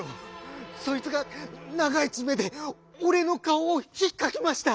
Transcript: そいつが長い爪で俺の顔をひっかきました」。